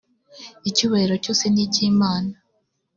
icyubahiro cyose niki imana